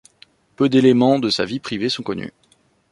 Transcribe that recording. Peu d'éléments de sa vie privée sont connus.